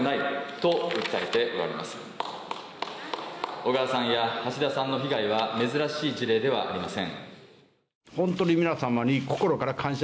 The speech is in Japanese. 小川さんや橋田さんの被害は珍しい事例ではありません。